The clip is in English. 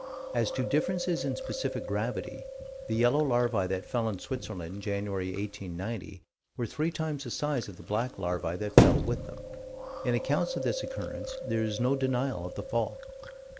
As to differences in specific gravity the yellow larvae that fell in Switzerland January, 1890, were three times the size of the black larvae that fell with them. In accounts of this occurrence, there is no denial of the fall.